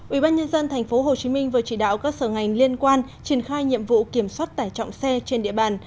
ubnd tp hcm vừa chỉ đạo các sở ngành liên quan triển khai nhiệm vụ kiểm soát tải trọng xe trên địa bàn